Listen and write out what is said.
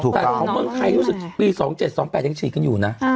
แต่ใครรู้สึกปี๒๗๒๘ยังฉีดกันอยู่นะ